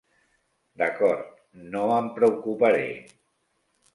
D'acord, no em preocuparé.